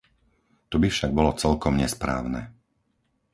To by však bolo celkom nesprávne.